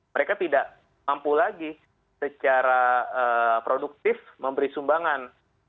mereka tidak mampu lagi secara produktif memberi sumbangan